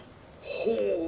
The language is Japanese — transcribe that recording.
ほう。